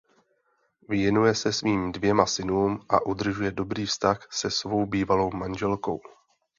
Věnuje se svým dvěma synům a udržuje dobrý vztah se svou bývalou manželkou.